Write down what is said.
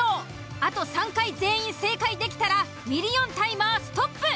あと３回全員正解できたらミリオンタイマーストップ。